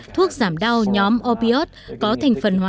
thuốc giảm đau nhóm opioid có thành phần hóa